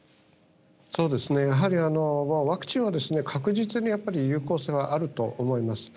そうですね、やはり、ワクチンは確実にやっぱり有効性はあると思います。